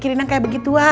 yaudah kalo gitu